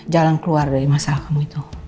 jalan keluar dari masalah kamu itu